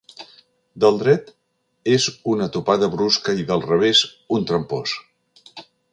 Del dret és una topada brusca i del revés, un trampós.